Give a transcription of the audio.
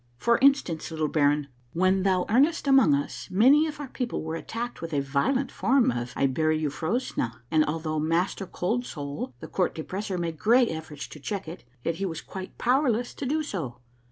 "For instance, little baron, when thou earnest among us, many of our people were attacked with a violent form of iburyufrosnia ; and although Master Cold Soul, the Court De pressor, made great efforts to check it, yet he was quite power less to do so.